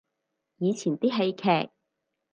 以前啲戲劇